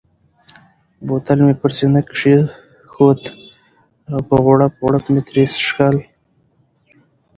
بوتل مې پر سینه کښېښود او په غوړپ غوړپ مې ترې څښل.